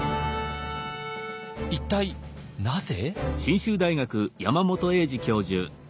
一体なぜ？